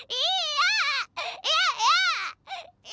嫌！